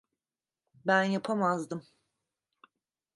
Ben yapamazdım.